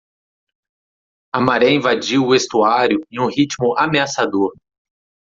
A maré invadiu o estuário em um ritmo ameaçador.